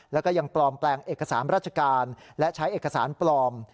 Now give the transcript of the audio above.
แล้วก็ยังปลอมแปลงเอกสารราชการและใช้เอกสารปลอม